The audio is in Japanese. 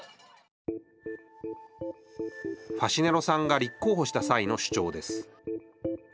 ファシネロさんが立候補した際の主張です。